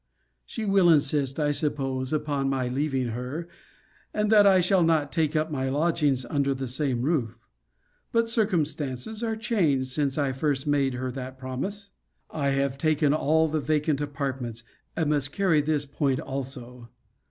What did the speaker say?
She will insist, I suppose, upon my leaving her, and that I shall not take up my lodgings under the same roof. But circumstances are changed since I first made her that promise. I have taken all the vacant apartments; and must carry this point also.